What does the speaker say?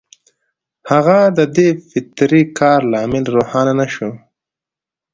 د هغه د دې فطري کار لامل روښانه نه شو